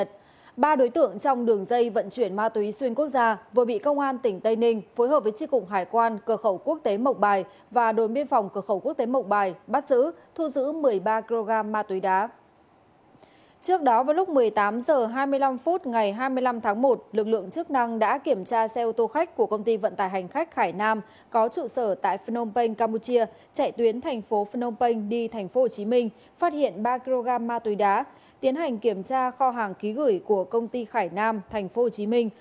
trong một mươi tám h hai mươi năm phút ngày hai mươi năm tháng một lực lượng chức năng đã kiểm tra xe ô tô khách của công ty vận tài hành khách khải nam có trụ sở tại phnom penh campuchia chạy tuyến thành phố phnom penh đi thành phố hồ chí minh phát hiện ba kg ma túi đá tiến hành kiểm tra kho hàng ký gửi của công ty khải nam thành phố hồ chí minh